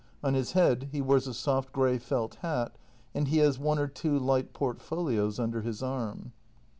On his head he wears a soft grey felt hat, and he has one or two light portfolios under his arm.